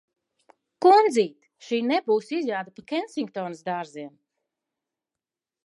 Kundzīt, šī nebūs izjāde pa Kensingtonas dārziem!